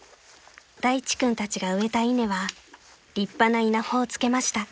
大地君たちが植えた稲は立派な稲穂をつけました］